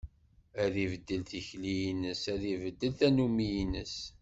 Ad ibeddel tikli-ines, ad ibeddel tannumi-ines.